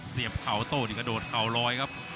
เสียบข่าวโต้นก็โดดข่าวรอยครับ